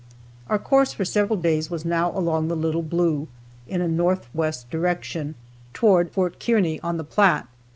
Our course for several days was now along the Little Blue in a northwest direction, toward Fort Kearney on the Platte.